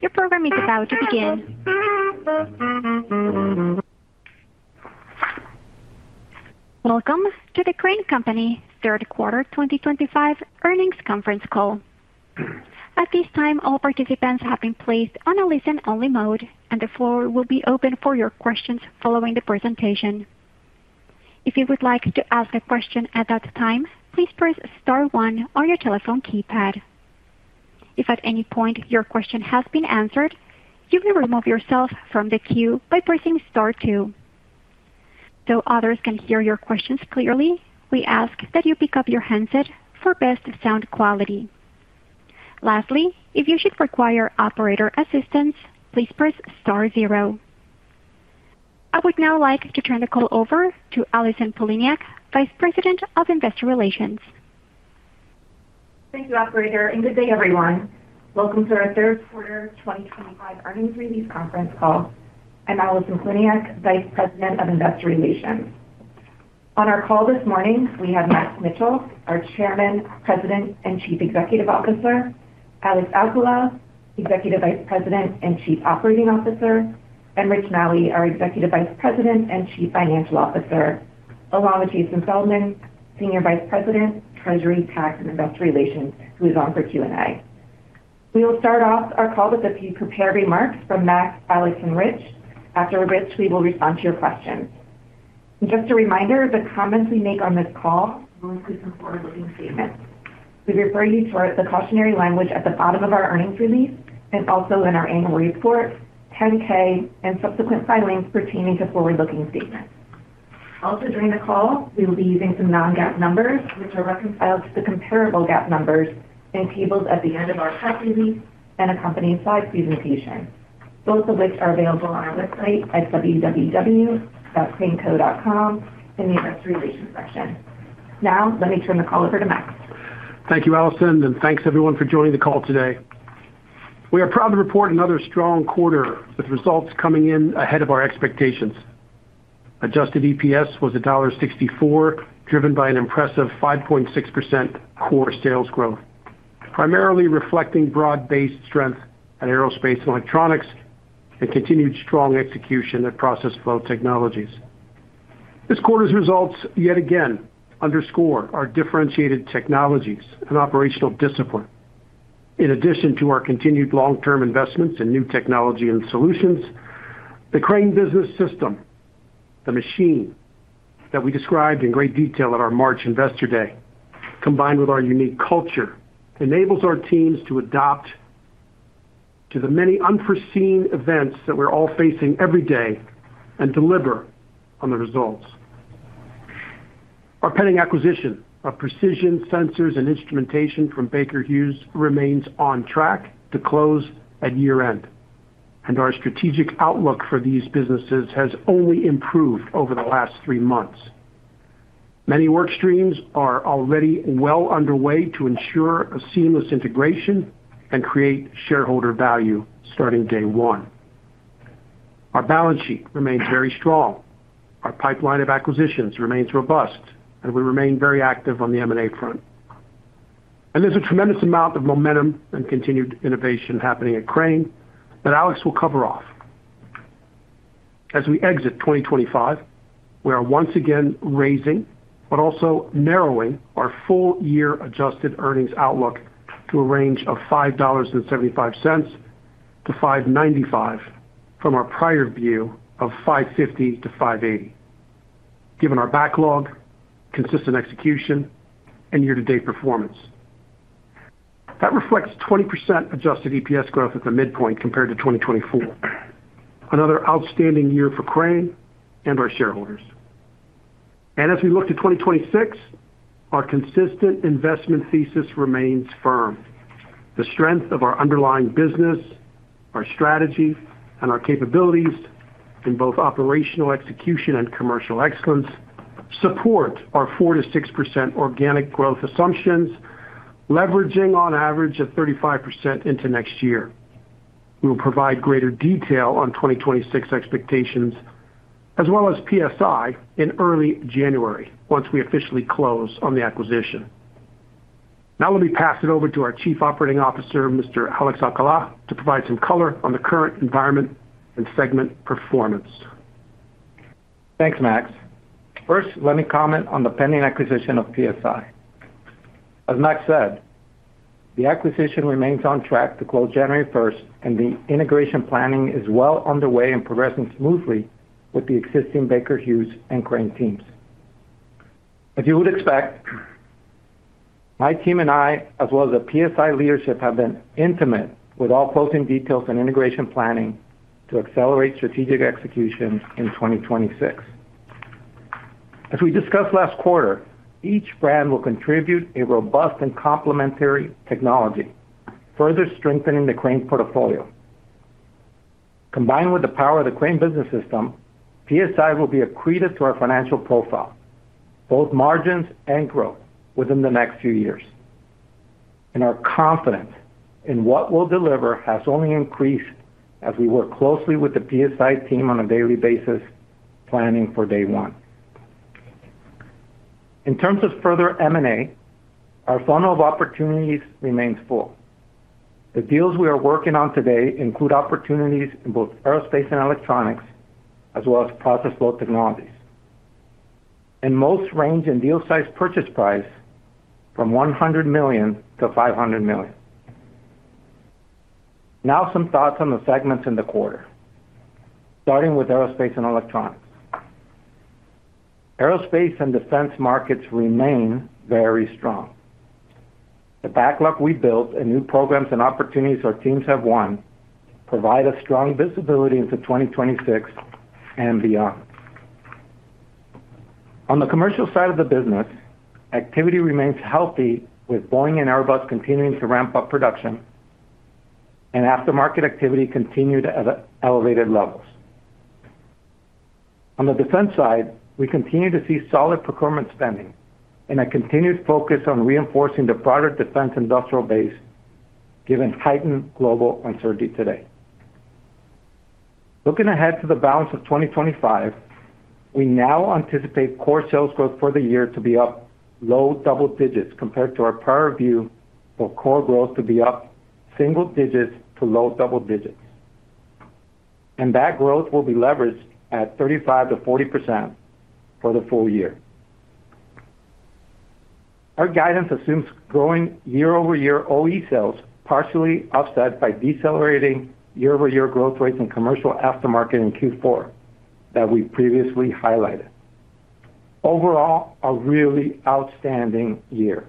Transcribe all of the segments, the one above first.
Your programming is about to begin. Welcome to the Crane Company third quarter 2025 earnings conference call. At this time, all participants have been placed on a listen-only mode, and the floor will be open for your questions following the presentation. If you would like to ask a question at that time, please press star one on your telephone keypad. If at any point your question has been answered, you may remove yourself from the queue by pressing star two. Though others can hear your questions clearly, we ask that you pick up your headset for best sound quality. Lastly, if you should require operator assistance, please press star zero. I would now like to turn the call over to Allison Poliniak, Vice President of Investor Relations. Thank you, Operator, and good day, everyone. Welcome to our third quarter 2025 earnings release conference call. I'm Allison Poliniak, Vice President of Investor Relations. On our call this morning, we have Max Mitchell, our Chairman, President, and Chief Executive Officer, Alex Alcala, Executive Vice President and Chief Operating Officer, and Rich Maue, our Executive Vice President and Chief Financial Officer, along with Jason Feldman, Senior Vice President, Treasury, Tax, and Investor Relations, who is on for Q&A. We will start off our call with a few prepared remarks from Max, Alex, and Rich. After Rich, we will respond to your questions. Just a reminder, the comments we make on this call will include some forward-looking statements. We refer you to the cautionary language at the bottom of our earnings release and also in our annual report, 10-K, and subsequent filings pertaining to forward-looking statements. Also, during the call, we will be using some non-GAAP numbers, which are reconciled to the comparable GAAP numbers in tables at the end of our press release and accompanying slide presentation, both of which are available on our website at www.craneco.com in the Investor Relations section. Now, let me turn the call over to Max. Thank you, Allison, and thanks everyone for joining the call today. We are proud to report another strong quarter with results coming in ahead of our expectations. Adjusted EPS was $1.64, driven by an impressive 5.6% core sales growth, primarily reflecting broad-based strength at Aerospace & Electronics and continued strong execution at Process Flow Technologies. This quarter's results, yet again, underscore our differentiated technologies and operational discipline. In addition to our continued long-term investments in new technology and solutions, the Crane Business System, the machine that we described in great detail at our March Investor Day, combined with our unique culture, enables our teams to adapt to the many unforeseen events that we're all facing every day and deliver on the results. Our pending acquisition of Precision Sensors & Instrumentation from Baker Hughes remains on track to close at year-end, and our strategic outlook for these businesses has only improved over the last three months. Many workstreams are already well underway to ensure a seamless integration and create shareholder value starting day one. Our balance sheet remains very strong. Our pipeline of acquisitions remains robust, and we remain very active on the M&A front. There is a tremendous amount of momentum and continued innovation happening at Crane Company that Alex will cover off. As we exit 2025, we are once again raising but also narrowing our full-year adjusted earnings outlook to a range of $5.75-$5.95 from our prior view of $5.50-$5.80, given our backlog, consistent execution, and year-to-date performance. That reflects 20% adjusted EPS growth at the midpoint compared to 2024, another outstanding year for Crane and our shareholders. As we look to 2026, our consistent investment thesis remains firm. The strength of our underlying business, our strategy, and our capabilities in both operational execution and commercial excellence support our 4%-6% organic growth assumptions, leveraging on average at 35% into next year. We will provide greater detail on 2026 expectations, as well as PSI in early January once we officially close on the acquisition. Now let me pass it over to our Chief Operating Officer, Mr. Alex Alcala, to provide some color on the current environment and segment performance. Thanks, Max. First, let me comment on the pending acquisition of PSI. As Max said, the acquisition remains on track to close January 1, and the integration planning is well underway and progressing smoothly with the existing Baker Hughes and Crane teams. As you would expect, my team and I, as well as the PSI leadership, have been intimate with all closing details and integration planning to accelerate strategic execution in 2026. As we discussed last quarter, each brand will contribute a robust and complementary technology, further strengthening the Crane portfolio. Combined with the power of the Crane Business System, PSI will be accretive to our financial profile, both margins and growth, within the next few years. Our confidence in what we'll deliver has only increased as we work closely with the PSI team on a daily basis, planning for day one. In terms of further M&A, our funnel of opportunities remains full. The deals we are working on today include opportunities in both Aerospace & Electronics, as well as Process Flow Technologies. Most range in deal size purchase price from $100 million-$500 million. Now, some thoughts on the segments in the quarter, starting with Aerospace & Electronics. Aerospace and defense markets remain very strong. The backlog we built and new programs and opportunities our teams have won provide a strong visibility into 2026 and beyond. On the commercial side of the business, activity remains healthy, with Boeing and Airbus continuing to ramp up production and aftermarket activity continued at elevated levels. On the defense side, we continue to see solid procurement spending and a continued focus on reinforcing the broader defense industrial base, given heightened global uncertainty today. Looking ahead to the balance of 2025, we now anticipate core sales growth for the year to be up low double digits compared to our prior view for core growth to be up single digits to low double digits. That growth will be leveraged at 35%-40% for the full year. Our guidance assumes growing year-over-year OE sales, partially offset by decelerating year-over-year growth rates in commercial aftermarket in Q4 that we previously highlighted. Overall, a really outstanding year.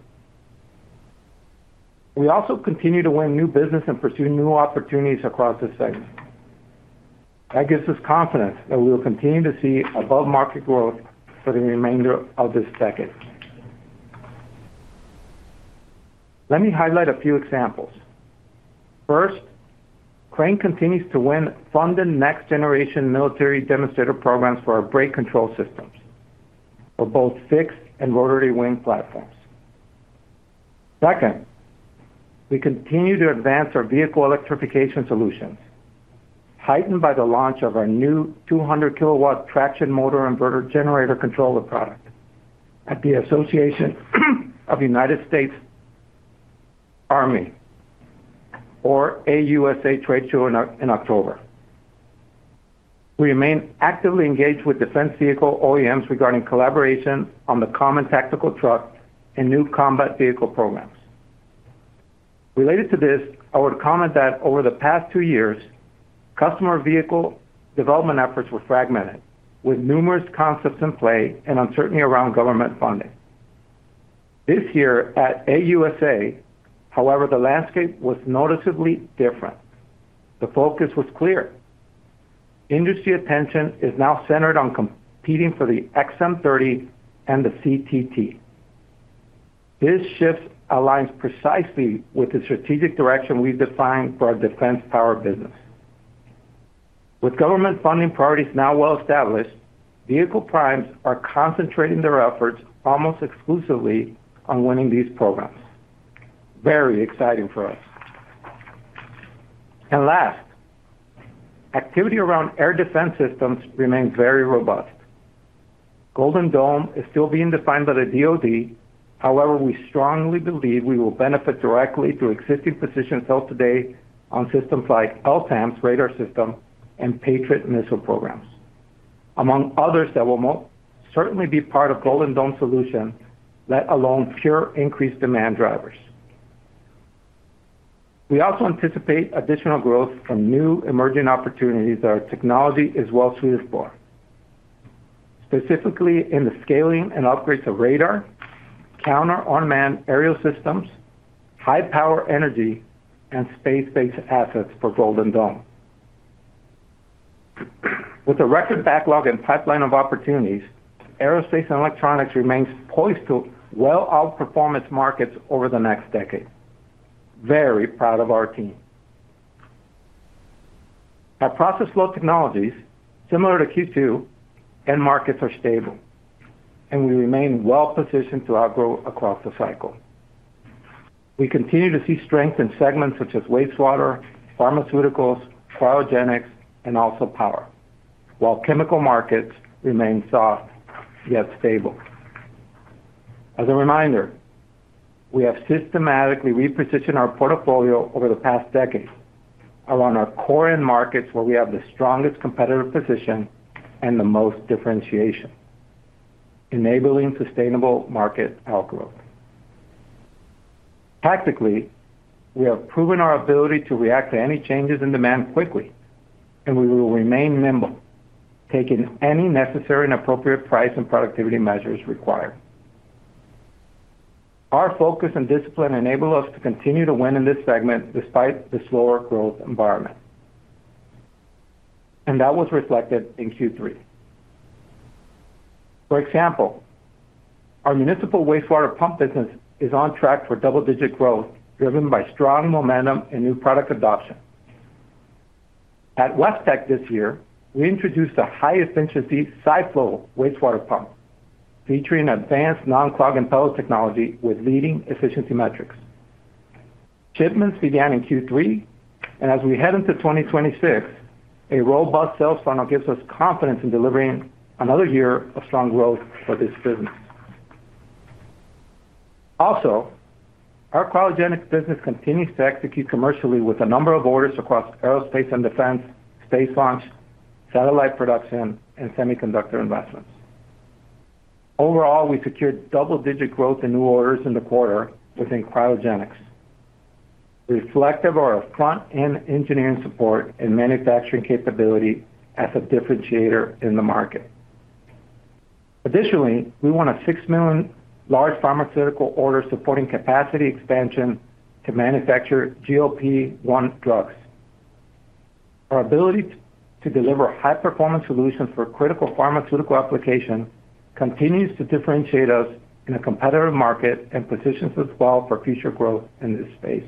We also continue to win new business and pursue new opportunities across the segment. That gives us confidence that we will continue to see above-market growth for the remainder of this decade. Let me highlight a few examples. First, Crane continues to win funded next-generation military demonstrator programs for our brake control systems for both fixed and rotary wing platforms. Second, we continue to advance our vehicle electrification solutions, heightened by the launch of our new 200 kW traction motor inverter generator controller product at the Association of the United States Army, or AUSA, trade show in October. We remain actively engaged with defense vehicle OEMs regarding collaboration on the common tactical truck and new combat vehicle programs. Related to this, I would comment that over the past two years, customer vehicle development efforts were fragmented, with numerous concepts in play and uncertainty around government funding. This year at AUSA, however, the landscape was noticeably different. The focus was clear. Industry attention is now centered on competing for the XM30 and the CTT. This shift aligns precisely with the strategic direction we've defined for our defense power business. With government funding priorities now well established, vehicle primes are concentrating their efforts almost exclusively on winning these programs. Very exciting for us. Last, activity around air defense systems remains very robust. Golden Dome is still being defined by the DOD. However, we strongly believe we will benefit directly through existing positions held today on systems like LTAMS radar system and Patriot missile programs, among others that will most certainly be part of Golden Dome solutions, let alone pure increased demand drivers. We also anticipate additional growth from new emerging opportunities that our technology is well-suited for, specifically in the scaling and upgrades of radar, counter unmanned aerial systems, high-power energy, and space-based assets for Golden Dome. With a record backlog and pipeline of opportunities, Aerospace & Electronics remains poised to well outperform its markets over the next decade. Very proud of our team. Our Process Flow Technologies, similar to Q2, and markets are stable, and we remain well-positioned to outgrow across the cycle. We continue to see strength in segments such as wastewater, pharmaceuticals, cryogenics, and also power, while chemical markets remain soft yet stable. As a reminder, we have systematically repositioned our portfolio over the past decade around our core end markets where we have the strongest competitive position and the most differentiation, enabling sustainable market outgrowth. Tactically, we have proven our ability to react to any changes in demand quickly, and we will remain nimble, taking any necessary and appropriate price and productivity measures required. Our focus and discipline enable us to continue to win in this segment despite the slower growth environment, and that was reflected in Q3. For example, our municipal wastewater pump business is on track for double-digit growth, driven by strong momentum and new product adoption. At WestTech this year, we introduced a high-efficiency Sipho wastewater pump, featuring advanced non-clogging pellet technology with leading efficiency metrics. Shipments began in Q3, and as we head into 2026, a robust sales funnel gives us confidence in delivering another year of strong growth for this business. Also, our cryogenics business continues to execute commercially with a number of orders across aerospace and defense, space launch, satellite production, and semiconductor investments. Overall, we secured double-digit growth in new orders in the quarter within cryogenics, reflective of our front-end engineering support and manufacturing capability as a differentiator in the market. Additionally, we won a $6 million large pharmaceutical order supporting capacity expansion to manufacture GLP-1+. Our ability to deliver high-performance solutions for critical pharmaceutical applications continues to differentiate us in a competitive market and positions us well for future growth in this space.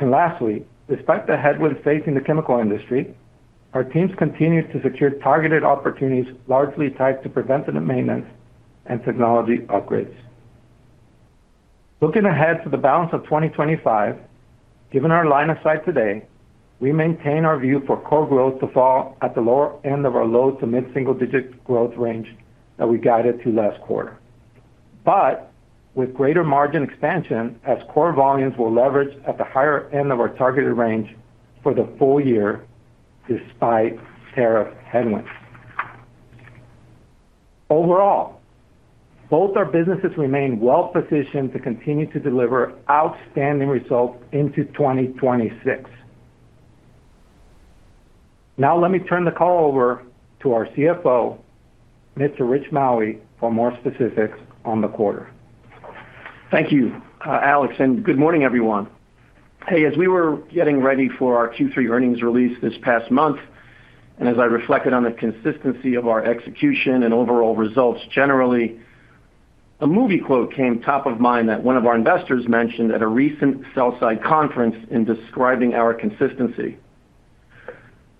Lastly, despite the headwinds facing the chemical industry, our teams continue to secure targeted opportunities, largely tied to preventative maintenance and technology upgrades. Looking ahead to the balance of 2025, given our line of sight today, we maintain our view for core growth to fall at the lower end of our low to mid-single-digit growth range that we guided to last quarter, but with greater margin expansion as core volumes were leveraged at the higher end of our targeted range for the full year, despite tariff headwinds. Overall, both our businesses remain well-positioned to continue to deliver outstanding results into 2026. Now, let me turn the call over to our CFO, Mr. Rich Maue, for more specifics on the quarter. Thank you, Alex, and good morning, everyone. As we were getting ready for our Q3 earnings release this past month, and as I reflected on the consistency of our execution and overall results generally, a movie quote came top of mind that one of our investors mentioned at a recent sell-side conference in describing our consistency.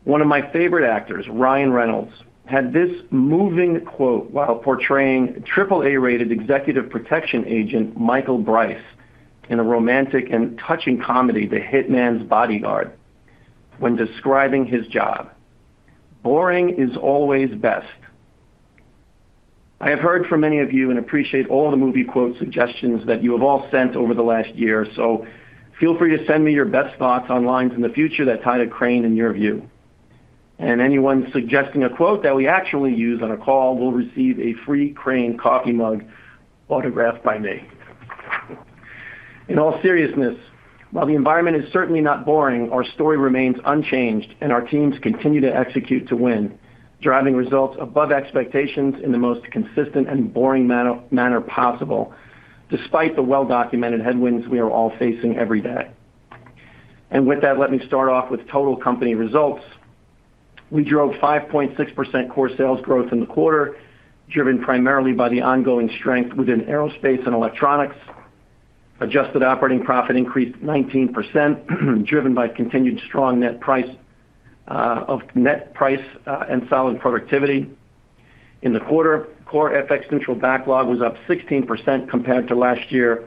One of my favorite actors, Ryan Reynolds, had this moving quote while portraying AAA-rated executive protection agent Michael Bryce in a romantic and touching comedy, The Hitman's Bodyguard, when describing his job. "Boring is always best." I have heard from many of you and appreciate all the movie quote suggestions that you have all sent over the last year, so feel free to send me your best thoughts on lines in the future that tie to Crane in your view. Anyone suggesting a quote that we actually use on a call will receive a free Crane coffee mug autographed by me. In all seriousness, while the environment is certainly not boring, our story remains unchanged, and our teams continue to execute to win, driving results above expectations in the most consistent and boring manner possible, despite the well-documented headwinds we are all facing every day. With that, let me start off with total company results. We drove 5.6% core sales growth in the quarter, driven primarily by the ongoing strength within Aerospace & Electronics. Adjusted operating profit increased 19%, driven by continued strong net price and solid productivity. In the quarter, core FX neutral backlog was up 16% compared to last year,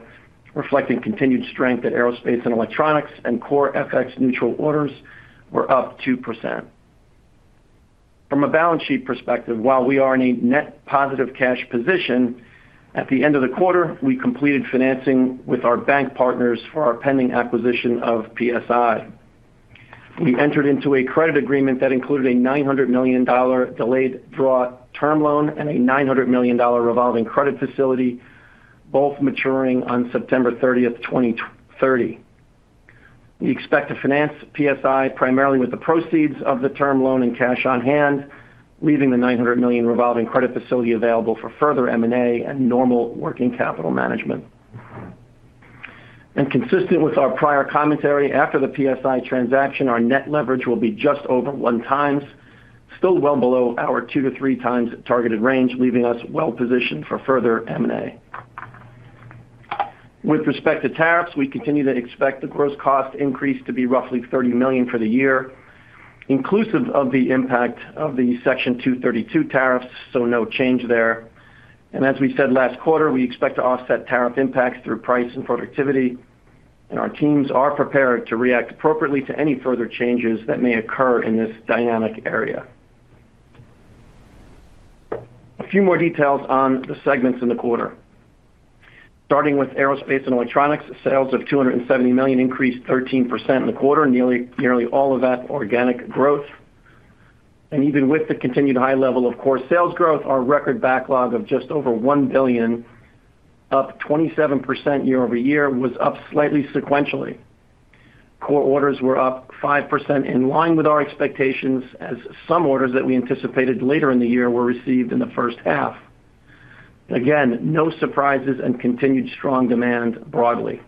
reflecting continued strength at Aerospace & Electronics, and core FX neutral orders were up 2%. From a balance sheet perspective, while we are in a net positive cash position, at the end of the quarter, we completed financing with our bank partners for our pending acquisition of PSI. We entered into a credit agreement that included a $900 million delayed draw term loan and a $900 million revolving credit facility, both maturing on September 30, 2030. We expect to finance PSI primarily with the proceeds of the term loan and cash on hand, leaving the $900 million revolving credit facility available for further M&A and normal working capital management. Consistent with our prior commentary, after the PSI transaction, our net leverage will be just over one times, still well below our two to three times targeted range, leaving us well-positioned for further M&A. With respect to tariffs, we continue to expect the gross cost increase to be roughly $30 million for the year, inclusive of the impact of the Section 232 tariffs, so no change there. As we said last quarter, we expect to offset tariff impacts through price and productivity, and our teams are prepared to react appropriately to any further changes that may occur in this dynamic area. A few more details on the segments in the quarter. Starting with Aerospace & Electronics, sales of $270 million increased 13% in the quarter, nearly all of that organic growth. Even with the continued high level of core sales growth, our record backlog of just over $1 billion, up 27% year-over-year, was up slightly sequentially. Core orders were up 5% in line with our expectations, as some orders that we anticipated later in the year were received in the first half. No surprises and continued strong demand broadly.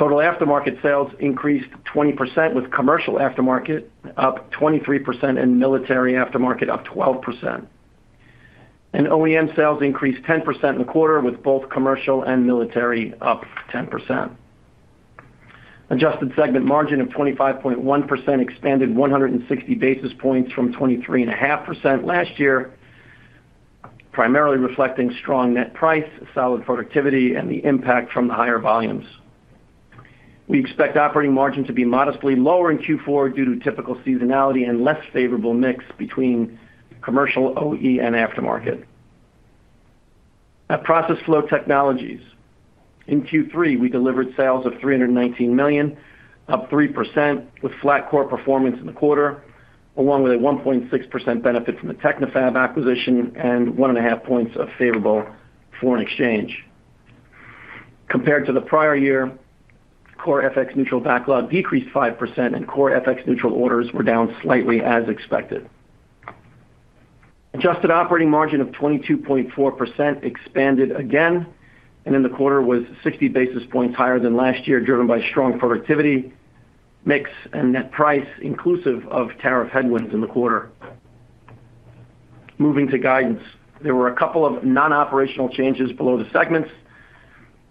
Total aftermarket sales increased 20% with commercial aftermarket up 23% and military aftermarket up 12%. OEM sales increased 10% in the quarter with both commercial and military up 10%. Adjusted segment margin of 25.1% expanded 160 basis points from 23.5% last year, primarily reflecting strong net price, solid productivity, and the impact from the higher volumes. We expect operating margin to be modestly lower in Q4 due to typical seasonality and less favorable mix between commercial OEM and aftermarket. At Process Flow Technologies, in Q3, we delivered sales of $319 million, up 3%, with flat core performance in the quarter, along with a 1.6% benefit from the TechnoFab acquisition and one and a half points of favorable foreign exchange. Compared to the prior year, core FX neutral backlog decreased 5%, and core FX neutral orders were down slightly as expected. Adjusted operating margin of 22.4% expanded again, and in the quarter was 60 basis points higher than last year, driven by strong productivity, mix, and net price, inclusive of tariff headwinds in the quarter. Moving to guidance, there were a couple of non-operational changes below the segments.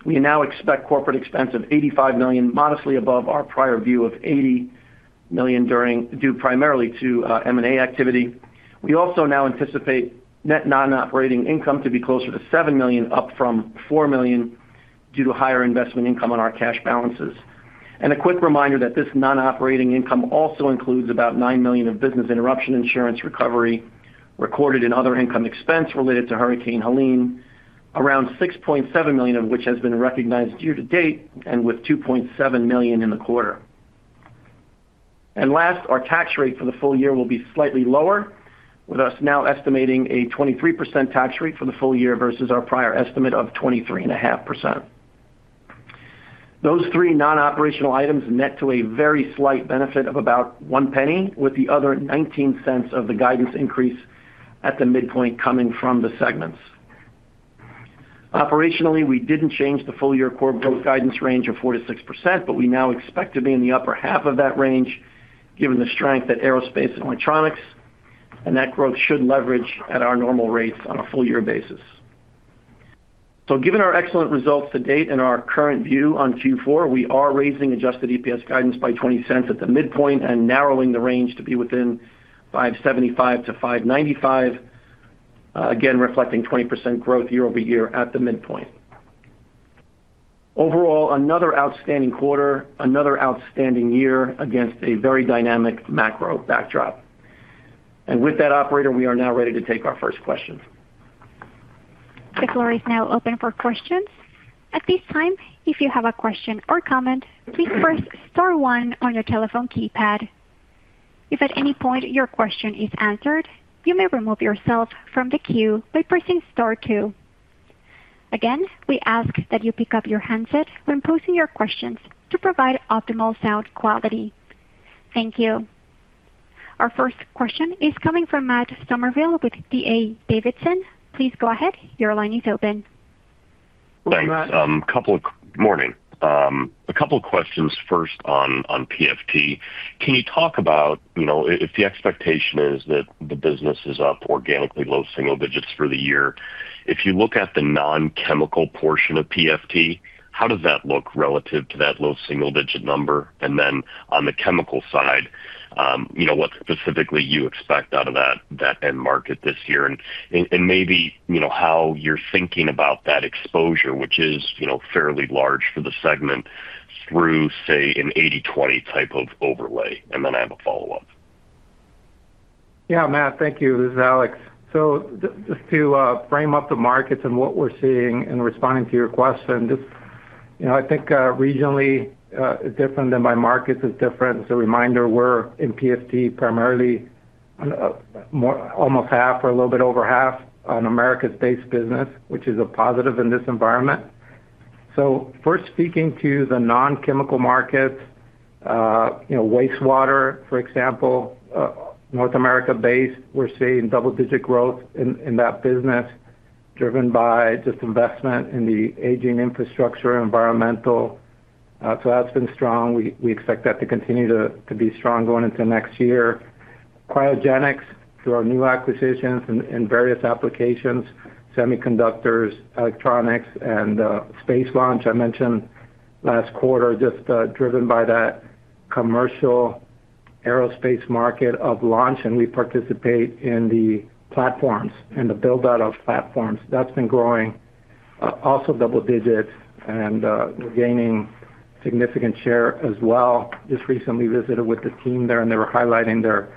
We now expect corporate expense of $85 million, modestly above our prior view of $80 million, due primarily to M&A activity. We also now anticipate net non-operating income to be closer to $7 million, up from $4 million, due to higher investment income on our cash balances. A quick reminder that this non-operating income also includes about $9 million of business interruption insurance recovery recorded in other income expense related to Hurricane Helene, around $6.7 million of which has been recognized year to date, with $2.7 million in the quarter. Last, our tax rate for the full year will be slightly lower, with us now estimating a 23% tax rate for the full year versus our prior estimate of 23.5%. Those three non-operational items net to a very slight benefit of about $0.01, with the other $0.19 of the guidance increase at the midpoint coming from the segments. Operationally, we didn't change the full-year core growth guidance range of 4%-6%, but we now expect to be in the upper half of that range, given the strength at Aerospace & Electronics, and that growth should leverage at our normal rates on a full-year basis. Given our excellent results to date and our current view on Q4, we are raising adjusted EPS guidance by $0.20 at the midpoint and narrowing the range to be within $5.75-$5.95, again reflecting 20% growth year-over-year at the midpoint. Overall, another outstanding quarter, another outstanding year against a very dynamic macro backdrop. With that, Operator, we are now ready to take our first questions. The floor is now open for questions. At this time, if you have a question or comment, please press star one on your telephone keypad. If at any point your question is answered, you may remove yourself from the queue by pressing star two. Again, we ask that you pick up your headset when posing your questions to provide optimal sound quality. Thank you. Our first question is coming from Matt J. Summerville with DA Davidson. Please go ahead. Your line is open. Thanks, Matt. A couple of questions. First on PFT, can you talk about, you know, if the expectation is that the business is up organically low single digits for the year, if you look at the non-chemical portion of PFT, how does that look relative to that low single-digit number? On the chemical side, you know, what specifically you expect out of that end market this year? Maybe, you know, how you're thinking about that exposure, which is, you know, fairly large for the segment through, say, an 80/20 type of overlay. I have a follow-up. Yeah, Matt. Thank you. This is Alex. Just to frame up the markets and what we're seeing and responding to your question, I think regionally is different than by markets is different. As a reminder, we're in Process Flow Technologies primarily on more almost half or a little bit over half on America's base business, which is a positive in this environment. First, speaking to the non-chemical markets, wastewater, for example, North America-based, we're seeing double-digit growth in that business, driven by investment in the aging infrastructure, environmental. That's been strong. We expect that to continue to be strong going into next year. Cryogenics through our new acquisitions in various applications, semiconductors, electronics, and the space launch I mentioned last quarter, driven by that commercial aerospace market of launch. We participate in the platforms and the build-out of platforms. That's been growing also double digits, and we're gaining significant share as well. Just recently visited with the team there, and they were highlighting their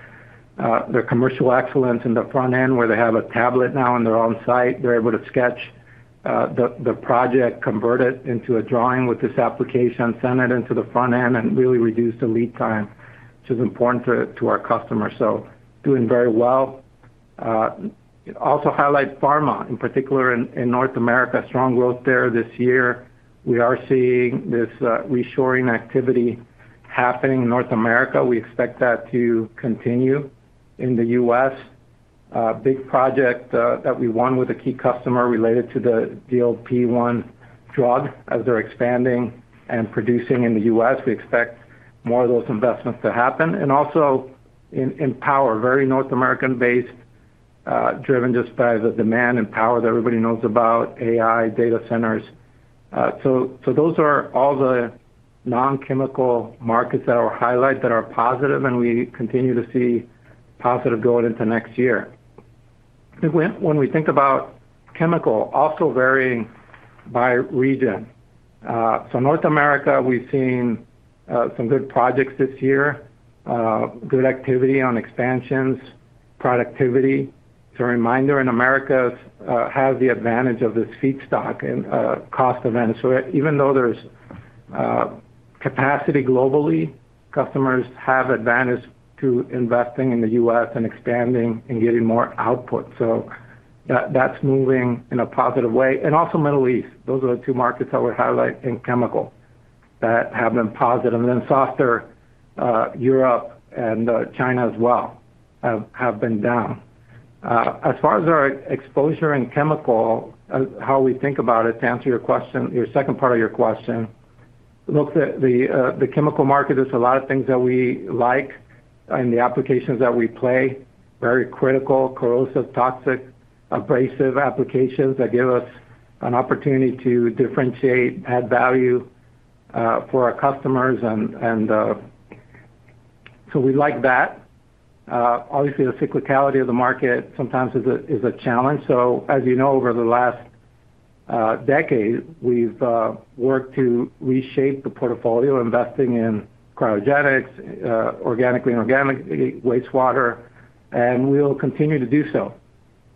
commercial excellence in the front end, where they have a tablet now on their own site. They're able to sketch the project, convert it into a drawing with this application, send it into the front end, and really reduce the lead time, which is important to our customers. Doing very well. Also highlight pharmaceuticals, in particular in North America, strong growth there this year. We are seeing this reshoring activity happening in North America. We expect that to continue in the U.S. Big project that we won with a key customer related to the GLP-1 drug, as they're expanding and producing in the U.S., we expect more of those investments to happen. Also in power, very North American-based, driven by the demand and power that everybody knows about AI data centers. Those are all the non-chemical markets that are highlighted that are positive, and we continue to see positive going into next year. When we think about chemical, also varying by region. North America, we've seen some good projects this year, good activity on expansions, productivity. A reminder, in America, has the advantage of this feedstock and cost advantage. Even though there's capacity globally, customers have advantage to investing in the U.S. and expanding and getting more output. That's moving in a positive way. Also, Middle East, those are the two markets that we highlight in chemical that have been positive. Softer Europe and China as well have been down. As far as our exposure in chemical, how we think about it, to answer your question, your second part of your question, look, the chemical market, there's a lot of things that we like in the applications that we play, very critical, corrosive, toxic, abrasive applications that give us an opportunity to differentiate, add value for our customers. We like that. Obviously, the cyclicality of the market sometimes is a challenge. As you know, over the last decade, we've worked to reshape the portfolio, investing in cryogenics, organically, inorganically, wastewater, and we'll continue to do so,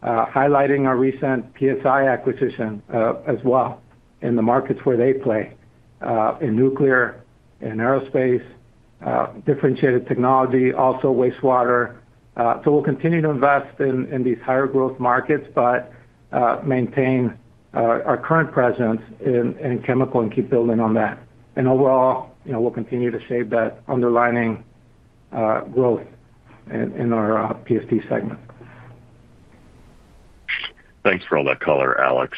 highlighting our recent PSI acquisition as well in the markets where they play in nuclear and aerospace, differentiated technology, also wastewater. We'll continue to invest in these higher growth markets, but maintain our current presence in chemical and keep building on that. Overall, we'll continue to shape that underlining growth in our PFT segment. Thanks for all that color, Alex.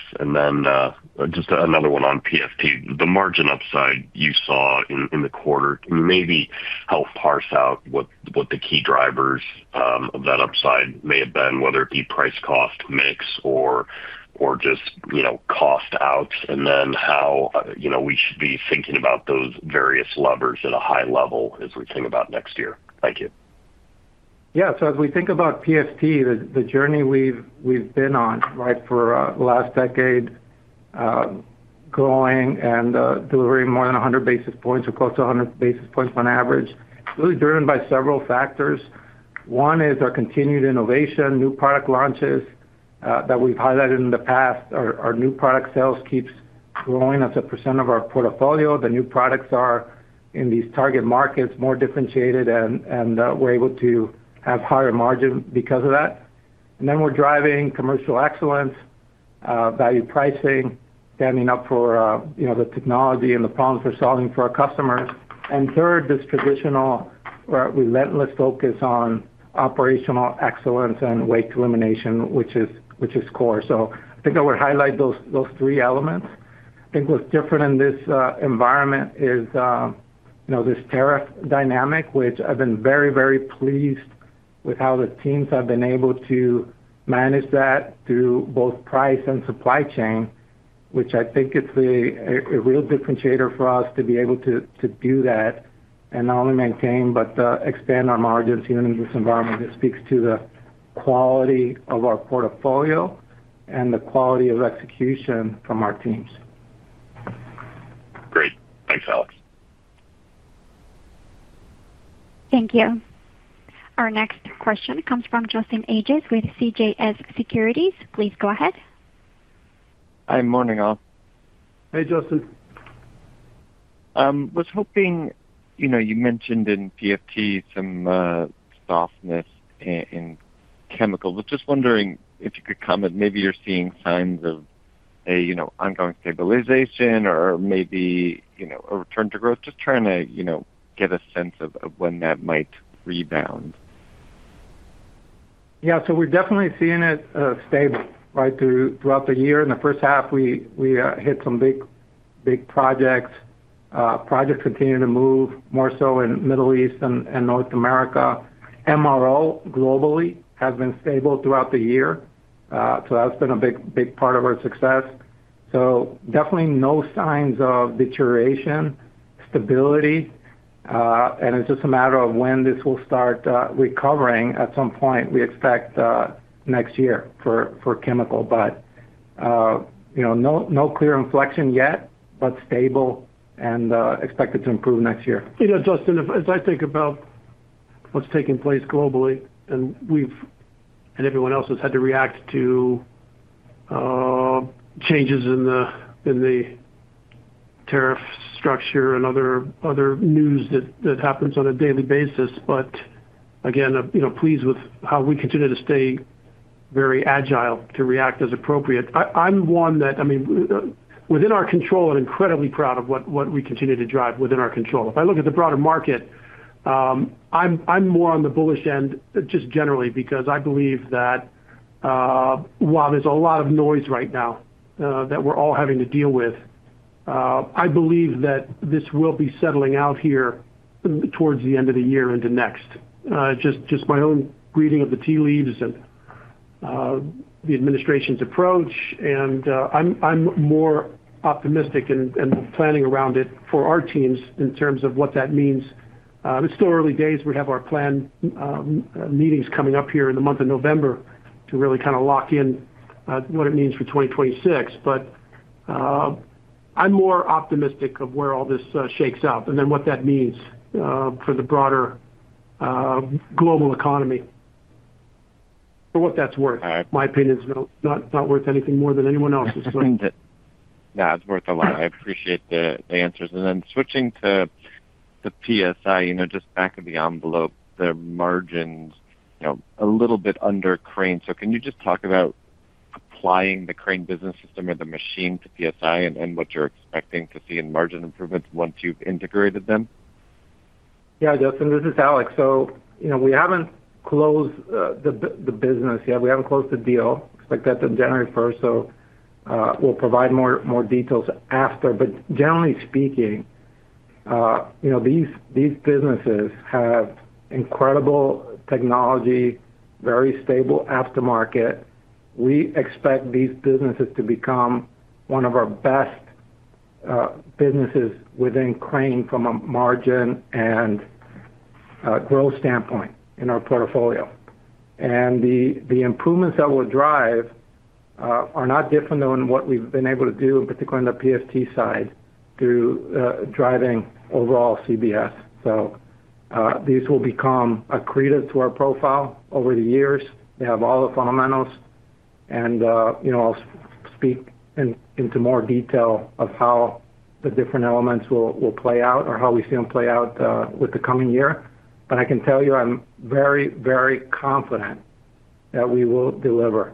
Just another one on PFT, the margin upside you saw in the quarter. Can you maybe help parse out what the key drivers of that upside may have been, whether it be price-cost mix or just cost out, and then how we should be thinking about those various levers at a high level as we think about next year. Thank you. Yeah. As we think about PFT, the journey we've been on for the last decade, growing and delivering more than 100 basis points or close to 100 basis points on average, really driven by several factors. One is our continued innovation, new product launches that we've highlighted in the past. Our new product sales keep growing as a % of our portfolio. The new products are in these target markets, more differentiated, and we're able to have higher margin because of that. We're driving commercial excellence, value pricing, standing up for the technology and the problems we're solving for our customers. Third, this traditional relentless focus on operational excellence and waste elimination, which is core. I think I would highlight those three elements. What's different in this environment is this tariff dynamic, which I've been very, very pleased with how the teams have been able to manage that through both price and supply chain, which I think is a real differentiator for us to be able to do that and not only maintain but expand our margins even in this environment. It speaks to the quality of our portfolio and the quality of execution from our teams. Great. Thanks, Alex. Thank you. Our next question comes from Justin Ian Ages with CJS Securities. Please go ahead. Hi. Morning all. Hey, Justin. I was hoping, you mentioned in PFT some softness in chemicals. I was just wondering if you could comment, maybe you're seeing signs of ongoing stabilization or maybe a return to growth. Just trying to get a sense of when that might rebound. Yeah. We're definitely seeing it stable throughout the year. In the first half, we hit some big, big projects. Projects continue to move more in the Middle East and North America. MRO globally has been stable throughout the year, and that's been a big, big part of our success. There are definitely no signs of deterioration, stability, and it's just a matter of when this will start recovering at some point. We expect next year for chemical, but you know, no clear inflection yet, but stable and expected to improve next year. You know, Justin, as I think about what's taking place globally, and everyone else has had to react to changes in the tariff structure and other news that happens on a daily basis. Again, pleased with how we continue to stay very agile to react as appropriate. I'm one that, within our control, I'm incredibly proud of what we continue to drive within our control. If I look at the broader market, I'm more on the bullish end just generally because I believe that while there's a lot of noise right now that we're all having to deal with, I believe that this will be settling out here towards the end of the year into next. Just my own reading of the tea leaves and the administration's approach, and I'm more optimistic and planning around it for our teams in terms of what that means. It's still early days. We have our plan meetings coming up here in the month of November to really kind of lock in what it means for 2026. I'm more optimistic of where all this shakes out and then what that means for the broader global economy. For what that's worth, my opinion is not worth anything more than anyone else's. Yeah, it's worth a lot. I appreciate the answers. Switching to the PSI, just back of the envelope, the margins, you know, a little bit under Crane. Can you just talk about applying the Crane Business System or the machine to PSI and what you're expecting to see in margin improvements once you've integrated them? Yeah, Justin, this is Alex. We haven't closed the business yet. We haven't closed the deal. Expect that on January 1. We'll provide more details after. Generally speaking, these businesses have incredible technology, very stable aftermarket. We expect these businesses to become one of our best businesses within Crane from a margin and growth standpoint in our portfolio. The improvements that we'll drive are not different than what we've been able to do, in particular on the PFT side, through driving overall CBS. These will become accretive to our profile over the years. They have all the fundamentals. I'll speak in more detail of how the different elements will play out or how we see them play out with the coming year. I can tell you I'm very, very confident that we will deliver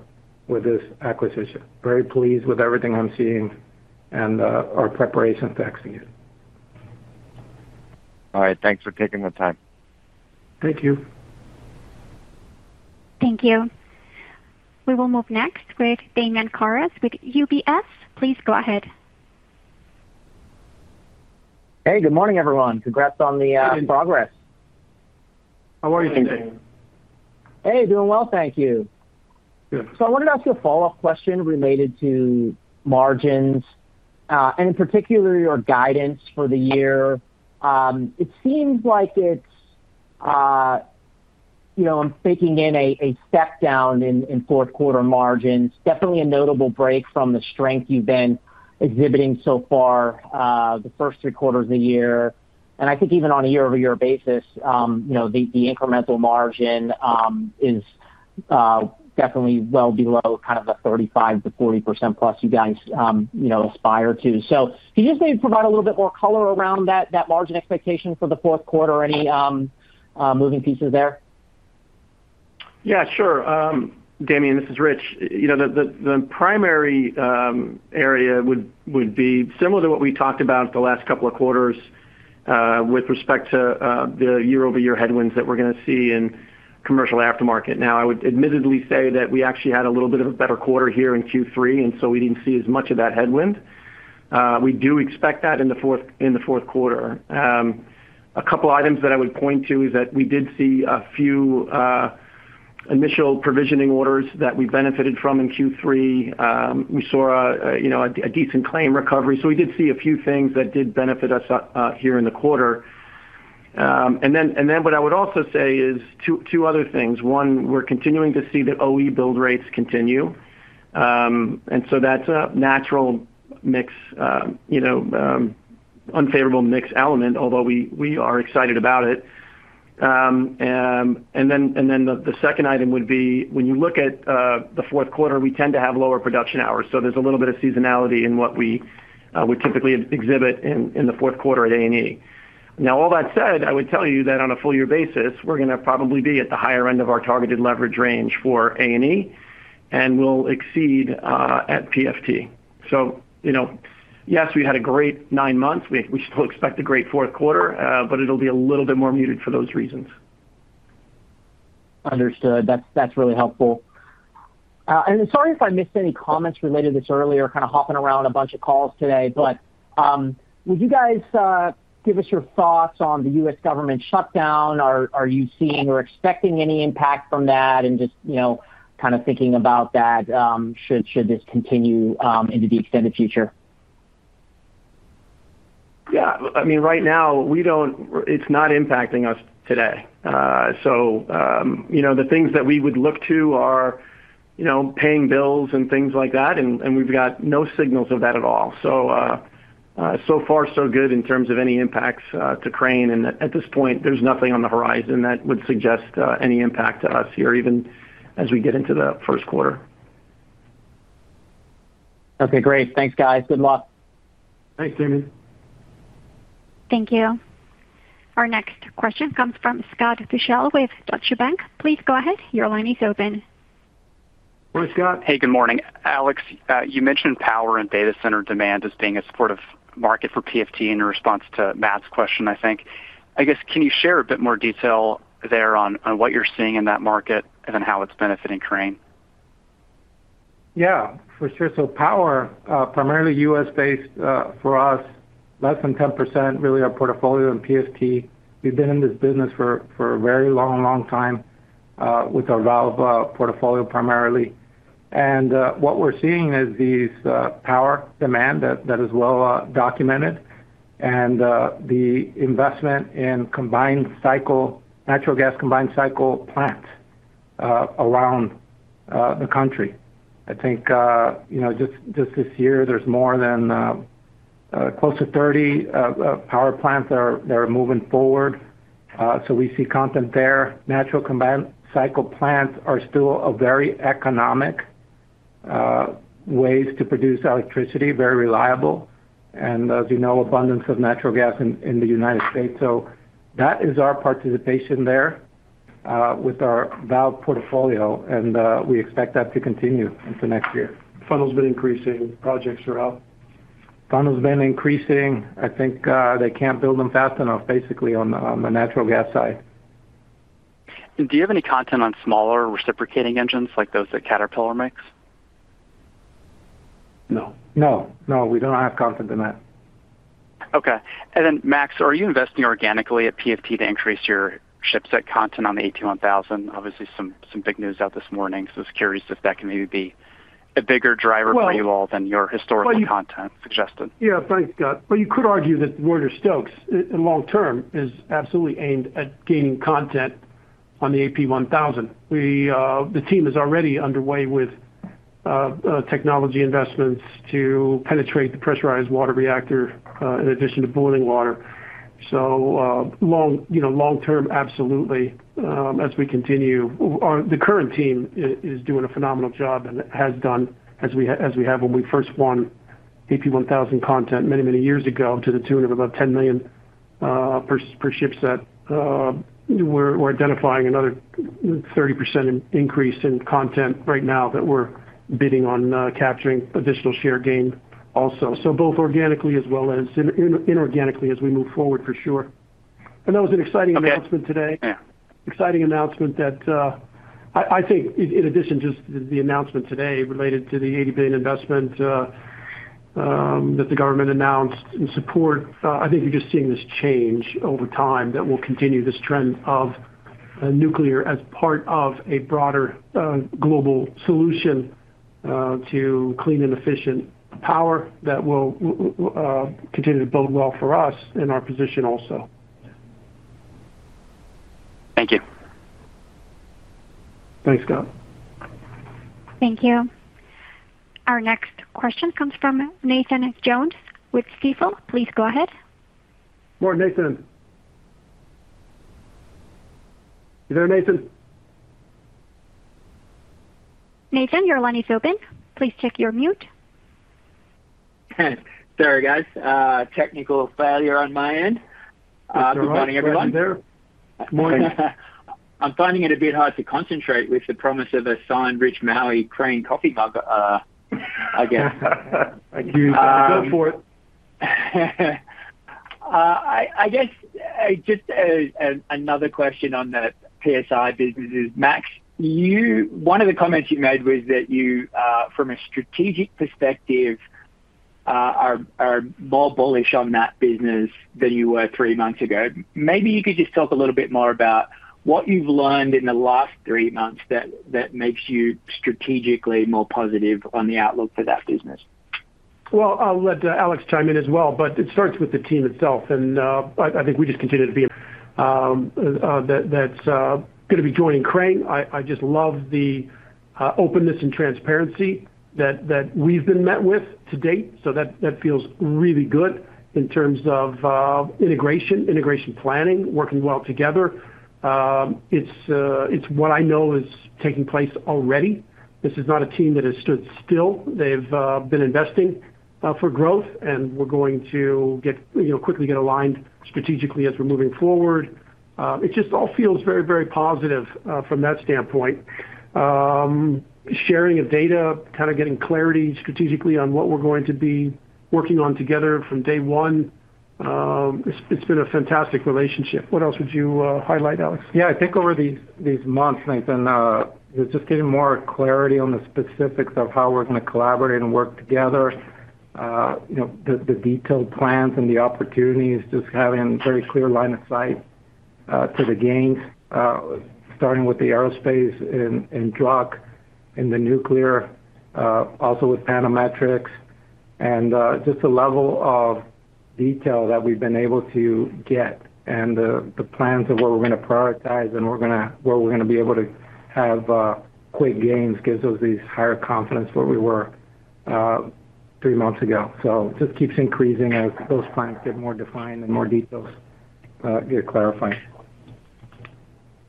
with this acquisition. Very pleased with everything I'm seeing and our preparation to execute. All right, thanks for taking the time. Thank you. Thank you. We will move next. Great, Damian Mark Karas with UBS. Please go ahead. Hey, good morning, everyone. Congrats on the progress. How are you doing today? Hey, doing well. Thank you. Good. I wanted to ask you a follow-up question related to margins, and in particular your guidance for the year. It seems like it's, you know, I'm taking in a step down in fourth quarter margins. Definitely a notable break from the strength you've been exhibiting so far, the first three quarters of the year. I think even on a year-over-year basis, you know, the incremental margin is definitely well below kind of the 35%-40% plus you guys, you know, aspire to. Can you just maybe provide a little bit more color around that margin expectation for the fourth quarter? Any moving pieces there? Yeah, sure. Damian, this is Rich. The primary area would be similar to what we talked about the last couple of quarters, with respect to the year-over-year headwinds that we're going to see in commercial aftermarket. I would admittedly say that we actually had a little bit of a better quarter here in Q3, and we didn't see as much of that headwind. We do expect that in the fourth quarter. A couple of items that I would point to is that we did see a few initial provisioning orders that we benefited from in Q3. We saw a decent claim recovery. We did see a few things that did benefit us here in the quarter. What I would also say is two other things. One, we're continuing to see the OE build rates continue, and that's a natural mix, you know, unfavorable mix element, although we are excited about it. The second item would be when you look at the fourth quarter, we tend to have lower production hours. There's a little bit of seasonality in what we would typically exhibit in the fourth quarter at A&E. All that said, I would tell you that on a full-year basis, we're going to probably be at the higher end of our targeted leverage range for A&E, and we'll exceed at PFT. Yes, we had a great nine months. We still expect a great fourth quarter, but it'll be a little bit more muted for those reasons. Understood. That's really helpful. Sorry if I missed any comments related to this earlier, kind of hopping around a bunch of calls today. Would you guys give us your thoughts on the U.S. government shutdown? Are you seeing or expecting any impact from that? Just, you know, kind of thinking about that, should this continue into the extended future? Yeah. I mean, right now, it's not impacting us today. The things that we would look to are paying bills and things like that. We've got no signals of that at all. So far, so good in terms of any impacts to Crane. At this point, there's nothing on the horizon that would suggest any impact to us here even as we get into the first quarter. Okay. Great, thanks, guys. Good luck. Thanks, Damian. Thank you. Our next question comes from Scott Deuschle with Deutsche Bank. Please go ahead. Your line is open. Hello, Scott. Hey, good morning. Alex, you mentioned power and data center demand as being a supportive market for PFT in response to Matt's question, I think. I guess, can you share a bit more detail there on what you're seeing in that market and how it's benefiting Crane? Yeah, for sure. Power is primarily U.S.-based for us, less than 10% really of our portfolio in Process Flow Technologies. We've been in this business for a very long time with our valve portfolio primarily. What we're seeing is this power demand that is well documented and the investment in combined cycle, natural gas combined cycle plants around the country. I think just this year, there's more than close to 30 power plants that are moving forward. We see content there. Natural gas combined cycle plants are still a very economic way to produce electricity, very reliable. As you know, there is an abundance of natural gas in the United States. That is our participation there with our valve portfolio, and we expect that to continue into next year. Funnel's been increasing, projects are out. Funnel's been increasing. I think they can't build them fast enough, basically, on the natural gas side. Do you have any content on smaller reciprocating engines like those that Caterpillar makes? No, no, we don't have content in that. Okay. Max, are you investing organically at PFT to increase your chipset content on the AP1000? Obviously, some big news out this morning. I was curious if that can maybe be a bigger driver for you all than your historical content suggested. Yeah, thanks, Scott. You could argue that the mortar stokes in long term is absolutely aimed at gaining content on the AP1000. The team is already underway with technology investments to penetrate the pressurized water reactor in addition to boiling water. Long term, absolutely, as we continue, the current team is doing a phenomenal job and has done as we have when we first won AP1000 content many, many years ago to the tune of about $10 million per shipset. We're identifying another 30% increase in content right now that we're bidding on, capturing additional share gain also. Both organically as well as inorganically as we move forward, for sure. That was an exciting announcement today. Exciting announcement that I think, in addition, just the announcement today related to the $80 billion investment that the government announced in support. I think you're just seeing this change over time that will continue this trend of nuclear as part of a broader global solution to clean and efficient power that will continue to build well for us in our position also. Thank you. Thanks, Scott. Thank you. Our next question comes from Nathan Jones with Stifel. Please go ahead. Morning, Nathan. You there, Nathan? Nathan, your line is open. Please check your mute. Hey, sorry, guys. Technical failure on my end. Good morning, everyone. Morning. I'm finding it a bit hard to concentrate with the promise of a signed Rich Maue Crane coffee mug, I guess. I do. Go for it. I guess just another question on the PSI businesses. Max, one of the comments you made was that you, from a strategic perspective, are more bullish on that business than you were three months ago. Maybe you could just talk a little bit more about what you've learned in the last three months that makes you strategically more positive on the outlook for that business. I will let Alex chime in as well, but it starts with the team itself. I think we just continue to be that's going to be joining Crane. I just love the openness and transparency that we've been met with to date. That feels really good in terms of integration, integration planning, working well together. It's what I know is taking place already. This is not a team that has stood still. They've been investing for growth, and we're going to quickly get aligned strategically as we're moving forward. It just all feels very, very positive from that standpoint. Sharing of data, kind of getting clarity strategically on what we're going to be working on together from day one, it's been a fantastic relationship. What else would you highlight, Alex? Yeah, I think over these months, Nathan, it's just getting more clarity on the specifics of how we're going to collaborate and work together. You know, the detailed plans and the opportunities, just having a very clear line of sight to the gains, starting with the Aerospace & Electronics and the nuclear, also with Panametrics, and just the level of detail that we've been able to get and the plans of where we're going to prioritize and where we're going to be able to have quick gains gives us this higher confidence where we were three months ago. It just keeps increasing as those plans get more defined and more details get clarified.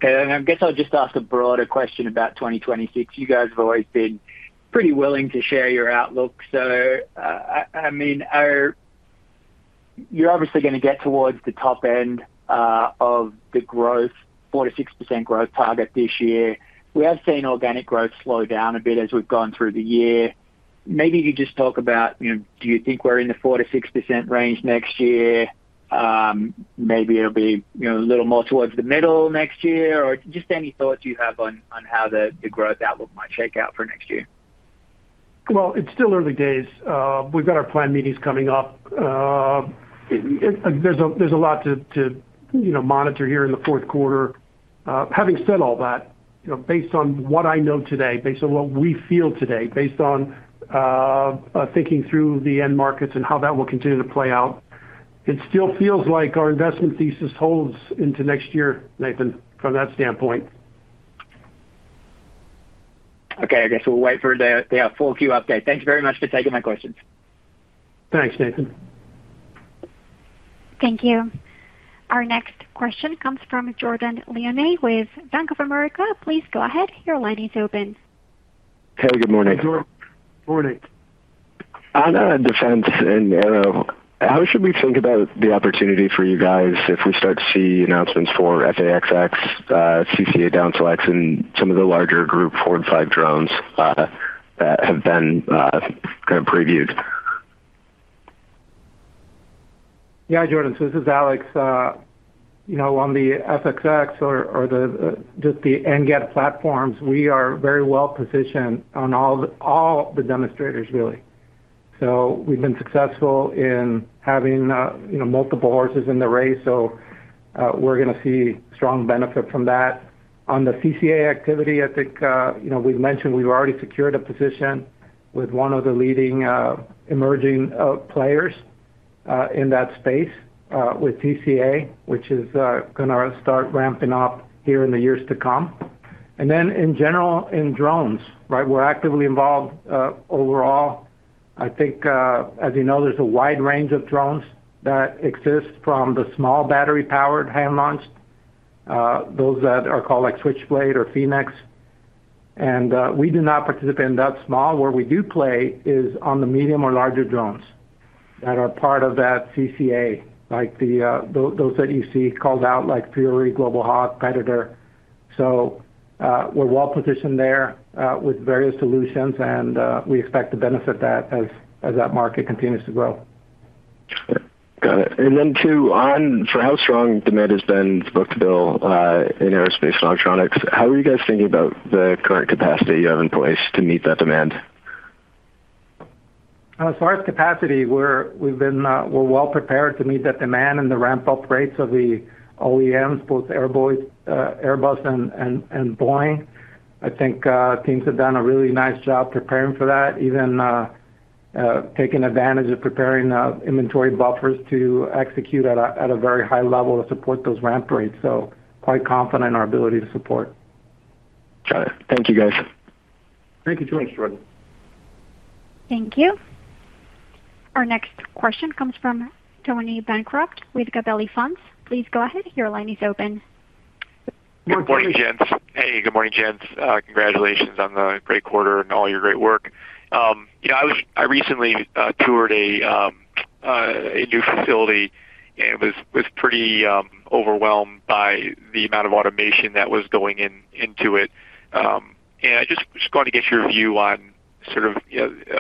I guess I'll just ask a broader question about 2026. You guys have always been pretty willing to share your outlook. You're obviously going to get towards the top end of the growth, 4%-6% growth target this year. We have seen organic growth slow down a bit as we've gone through the year. Maybe you could just talk about, you know, do you think we're in the 4%-6% range next year? Maybe it'll be a little more towards the middle next year, or just any thoughts you have on how the growth outlook might shake out for next year. It is still early days. We've got our plan meetings coming up. There is a lot to monitor here in the fourth quarter. Having said all that, based on what I know today, based on what we feel today, based on thinking through the end markets and how that will continue to play out, it still feels like our investment thesis holds into next year, Nathan, from that standpoint. Okay, I guess we'll wait for the full queue update. Thanks very much for taking my questions. Thanks, Nathan. Thank you. Our next question comes from Jordan Lyonnais with Bank of America. Please go ahead. Your line is open. Hey, good morning. Morning. On defense and aero, how should we think about the opportunity for you guys if we start to see announcements for FXX, CCA down selects, and some of the larger group four and five drones that have been kind of previewed? Yeah, Jordan. This is Alex. You know, on the FXX or just the NGAD platforms, we are very well positioned on all the demonstrators, really. We have been successful in having multiple horses in the race. We are going to see strong benefit from that. On the CCA activity, I think we've mentioned we've already secured a position with one of the leading emerging players in that space with CCA, which is going to start ramping up here in the years to come. In general, in drones, we're actively involved overall. I think, as you know, there's a wide range of drones that exist from the small battery-powered hand-launched, those that are called like Switchblade or Phoenix. We do not participate in that small. Where we do play is on the medium or larger drones that are part of that CCA, like those that you see called out, like Fury, Global Hawk, Predator. We're well positioned there with various solutions, and we expect to benefit as that market continues to grow. Got it. For how strong demand has been for book to bill in Aerospace & Electronics, how are you guys thinking about the current capacity you have in place to meet that demand? As far as capacity, we're well prepared to meet that demand and the ramp-up rates of the OEMs, both Airbus and Boeing. I think teams have done a really nice job preparing for that, even taking advantage of preparing inventory buffers to execute at a very high level to support those ramp rates. I'm quite confident in our ability to support. Got it. Thank you, guys. Thank you, Jordan. Thank you. Our next question comes from George Bancroft with Gabelli Funds. Please go ahead. Your line is open. Good morning gents, Congratulations on the great quarter and all your great work. I recently toured a new facility and was pretty overwhelmed by the amount of automation that was going into it. I just wanted to get your view on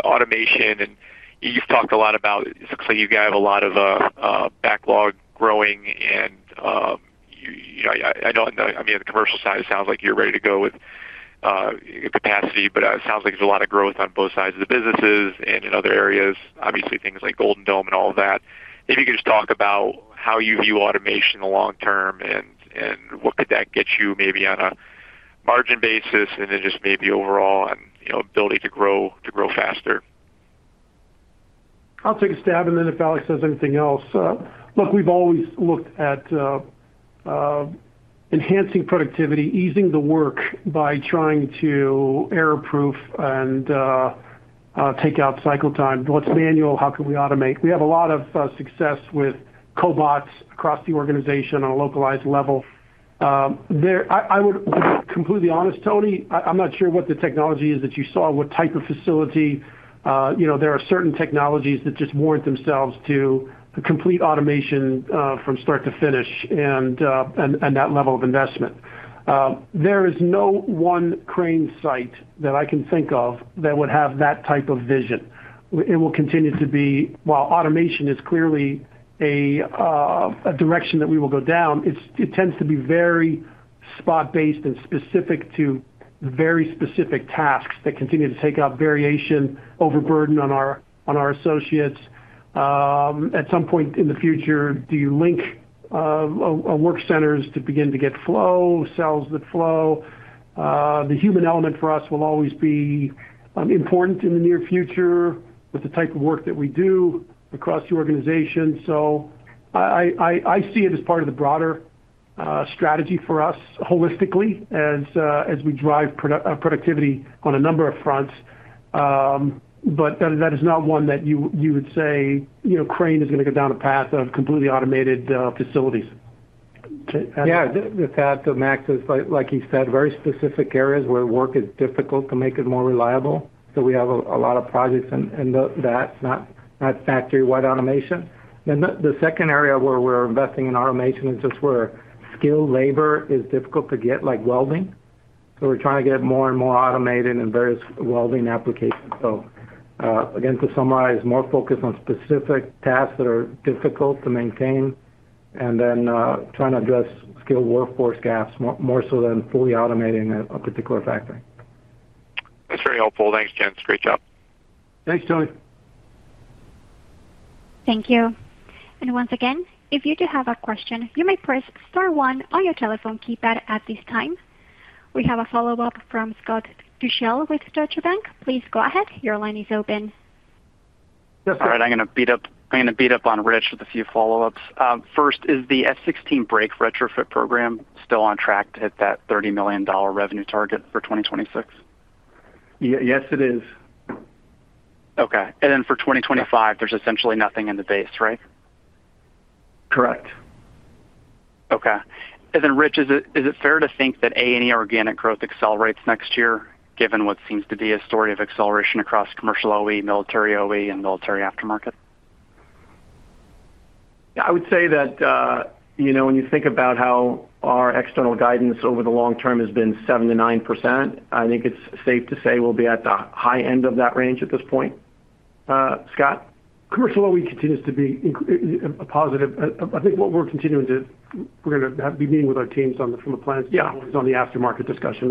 automation. You've talked a lot about it. It looks like you guys have a lot of backlog growing. I know, on the commercial side, it sounds like you're ready to go with capacity, but it sounds like there's a lot of growth on both sides of the businesses and in other areas, obviously, things like Golden Dome and all of that. Maybe you could just talk about how you view automation in the long term and what that could get you maybe on a margin basis and then maybe overall on ability to grow faster. I'll take a stab in there if Alex says anything else. Look, we've always looked at enhancing productivity, easing the work by trying to error-proof and take out cycle time. What's manual? How can we automate? We have a lot of success with cobots across the organization on a localized level. I would be completely honest, Tony, I'm not sure what the technology is that you saw, what type of facility. There are certain technologies that just warrant themselves to complete automation from start to finish and that level of investment. There is no one Crane site that I can think of that would have that type of vision. It will continue to be, while automation is clearly a direction that we will go down, it tends to be very spot-based and specific to very specific tasks that continue to take out variation over burden on our associates. At some point in the future, do you link work centers to begin to get flow, cells that flow? The human element for us will always be important in the near future with the type of work that we do across the organization. I see it as part of the broader strategy for us holistically as we drive productivity on a number of fronts. That is not one that you would say, you know, Crane is going to go down a path of completely automated facilities. Yeah, the path to Max is, like you said, very specific areas where work is difficult to make it more reliable. We have a lot of projects in that, not factory-wide automation. The second area where we're investing in automation is just where skilled labor is difficult to get, like welding. We're trying to get more and more automated in various welding applications. To summarize, more focus on specific tasks that are difficult to maintain and then trying to address skilled workforce gaps more so than fully automating a particular factory. That's very helpful. Thanks, Jens. Great job. Thanks, George. Thank you. If you do have a question, you may press star one on your telephone keypad at this time. We have a follow-up from Scott Fischell with Deutsche Bank. Please go ahead. Your line is open. Just right. I'm going to beat up on Rich with a few follow-ups. First, is the F-16 break retrofit program still on track to hit that $30 million revenue target for 2026? Yes, it is. Okay. For 2025, there's essentially nothing in the base, right? Correct. Okay. Rich, is it fair to think that Aerospace & Electronics organic growth accelerates next year, given what seems to be a story of acceleration across commercial OE, military OE, and military aftermarket? Yeah. I would say that, you know, when you think about how our external guidance over the long term has been 7% to 9%, I think it's safe to say we'll be at the high end of that range at this point. Scott? Commercial OE continues to be a positive. I think what we're continuing to, we're going to be meeting with our teams from the plants on the aftermarket discussion,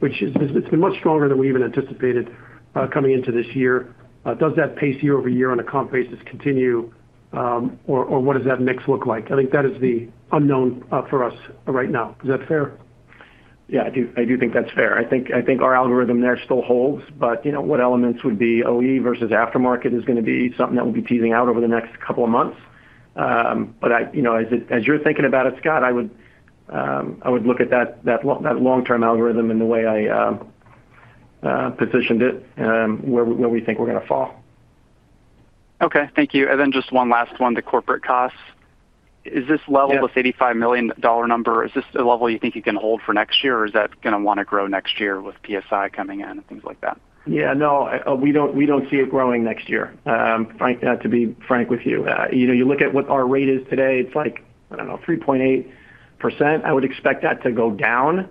which has been much stronger than we even anticipated coming into this year. Does that pace year over year on a comp basis continue, or what does that mix look like? I think that is the unknown for us right now. Is that fair? Yeah, I do think that's fair. I think our algorithm there still holds, but what elements would be OE versus aftermarket is going to be something that we'll be teasing out over the next couple of months. As you're thinking about it, Scott, I would look at that long-term algorithm and the way I positioned it and where we think we're going to fall. Okay. Thank you. Just one last one, the corporate costs. Is this level, this $85 million number, is this the level you think you can hold for next year, or is that going to want to grow next year with PSI coming in and things like that? Yeah, no, we don't see it growing next year, to be frank with you. You know, you look at what our rate is today. It's like, I don't know, 3.8%. I would expect that to go down,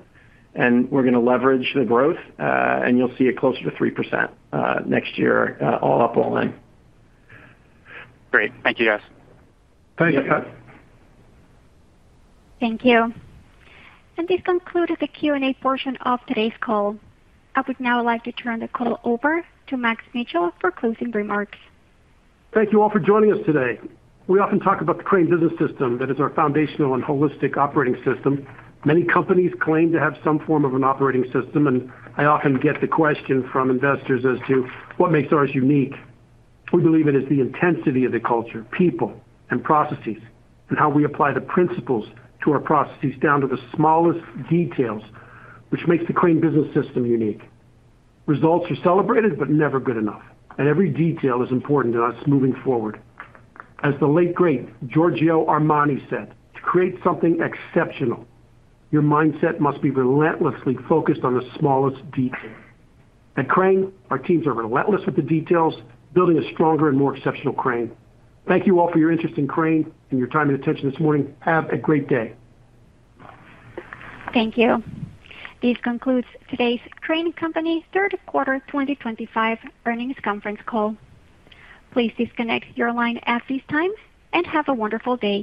and we're going to leverage the growth, and you'll see it closer to 3% next year, all up, all in. Great. Thank you, guys. Thank you, Scott. Thank you. This concluded the Q&A portion of today's call. I would now like to turn the call over to Max Mitchell for closing remarks. Thank you all for joining us today. We often talk about the Crane Business System. It is our foundational and holistic operating system. Many companies claim to have some form of an operating system, and I often get the question from investors as to what makes ours unique. We believe it is the intensity of the culture, people, and processes, and how we apply the principles to our processes down to the smallest details, which makes the Crane Business System unique. Results are celebrated, but never good enough. Every detail is important to us moving forward. As the late great Giorgio Armani said, "To create something exceptional, your mindset must be relentlessly focused on the smallest detail." At Crane, our teams are relentless with the details, building a stronger and more exceptional Crane. Thank you all for your interest in Crane and your time and attention this morning. Have a great day. Thank you. This concludes today's Crane Company Third Quarter 2025 Earnings Conference Call. Please disconnect your line at this time and have a wonderful day.